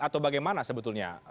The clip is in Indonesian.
atau bagaimana sebetulnya